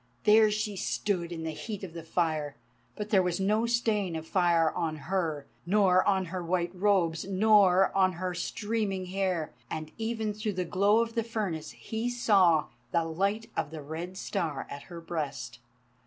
There she stood in the heart of the fire, but there was no stain of fire on her, nor on her white robes, nor on her streaming hair; and even through the glow of the furnace he saw the light of the Red Star at her breast.